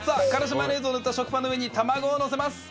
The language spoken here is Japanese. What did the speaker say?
マヨネーズを塗った食パンの上に卵をのせます。